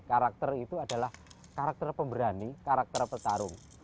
karakter itu adalah karakter pemberani karakter petarung